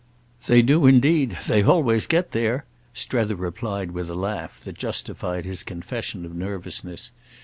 "They do indeed—they always get there!" Strether replied with a laugh that justified his confession of nervousness.